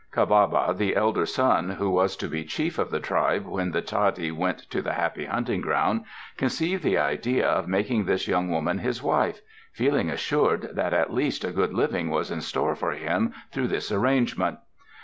Ca ba ba, the elder son, who was to be Chief of the tribe when the Tadi went to the ŌĆ£Happy Hunting Ground, ŌĆØ conceived the idea of making this young woman his wife, feeling assured that at least a good living was in store for him through this arrangement.